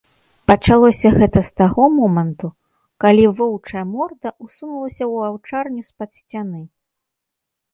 Пачалося гэта з таго моманту, калі воўчая морда ўсунулася ў аўчарню з-пад сцяны.